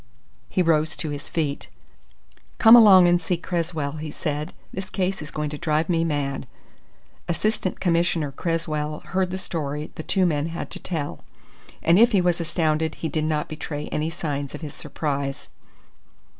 He rose to his feet. "Come along and see Cresswell," he said. "This case is going to drive me mad!" Assistant Commissioner Cresswell heard the story the two men had to tell, and if he was astounded he did not betray any signs of his surprise.